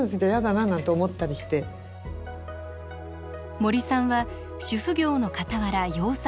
森さんは主婦業のかたわら洋裁を学び